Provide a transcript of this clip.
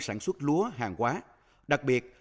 sản xuất lúa hàng hóa đặc biệt